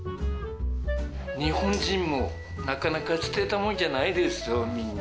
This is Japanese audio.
日本人もなかなか捨てたもんじゃないですよ、みんな。